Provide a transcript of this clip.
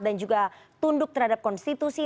dan juga tunduk terhadap konstitusi